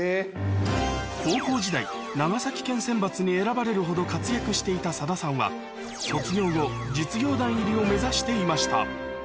高校時代、長崎県選抜に選ばれるほど活躍していた佐田さんは、卒業後、実業団入りを目指していました。